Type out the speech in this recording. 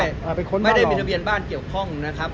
ไปค้นบ้านเราไม่ได้มีทะเบียนบ้านเกี่ยวข้องนะครับ